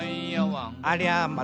「ありゃま！